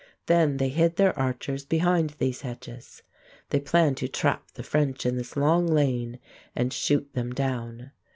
Then they hid their archers behind these hedges. They planned to trap the French in this long lane and shoot them down.